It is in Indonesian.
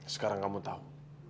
sekarang kamu tau